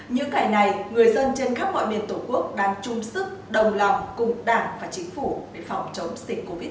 những ngày này người dân trên khắp mọi miền tổ quốc đang chung sức đồng lòng cùng đảng và chính phủ để phòng chống dịch covid một mươi chín